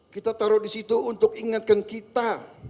kita taruh di situ untuk ingatkan kita